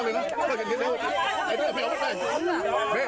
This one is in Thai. มันต้องต้องต้องต้อง